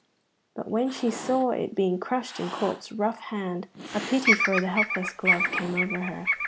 But when she saw it being crushed in Corp's rough hand, a pity for the helpless glove came over her.